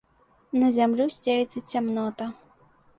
На зямлю сцелецца цямнота.